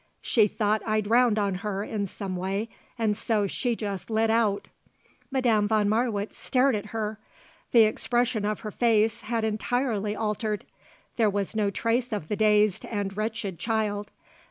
She thought I'd round on her in some way and so she just lit out." Madame von Marwitz stared at her. The expression of her face had entirely altered; there was no trace of the dazed and wretched child.